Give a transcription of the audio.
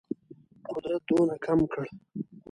قدرت دونه کم کړ.